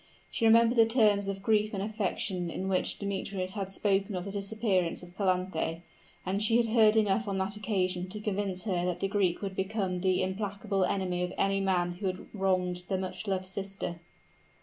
She remembered the terms of grief and affection in which Demetrius had spoken of the disappearance of Calanthe; and she had heard enough on that occasion to convince her that the Greek would become the implacable enemy of any man who had wronged that much loved sister.